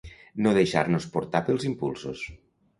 no deixar-nos portar pels impulsos